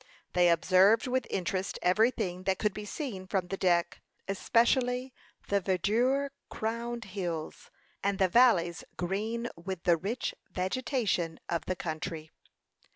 They observed with interest everything that could be seen from the deck, especially the verdure crowned hills, and the valleys green with the rich vegetation of the country.